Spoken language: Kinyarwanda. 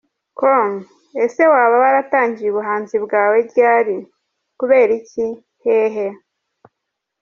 com:Ese waba waratangiye ubuhanzibwawe ryari? Kubera iki?hehe?.